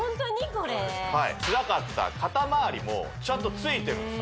これはいつらかった肩まわりもちゃんとついてるんです